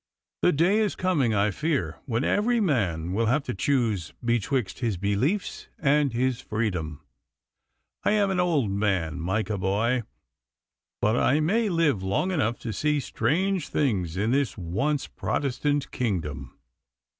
The day is coming, I fear, when every man will have to choose betwixt his beliefs and his freedom. I am an old man, Micah boy, but I may live long enough to see strange things in this once Protestant kingdom.